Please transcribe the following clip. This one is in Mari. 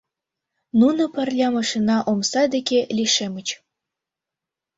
Нуно пырля машина омса деке лишемыч.